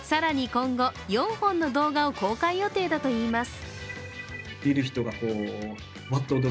今後、４本の動画を公開予定だと言います。